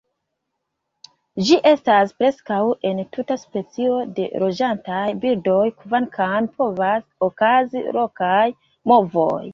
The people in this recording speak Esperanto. Ĝi estas preskaŭ entute specio de loĝantaj birdoj, kvankam povas okazi lokaj movoj.